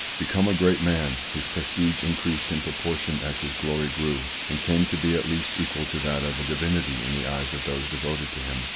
Become a great man, his prestige increased in proportion as his glory grew, and came to be at least equal to that of a divinity in the eyes of those devoted to him.